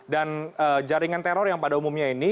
dan jaringan teror yang pada umumnya ini